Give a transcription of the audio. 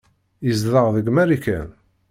Yezdeɣ deg Marikan.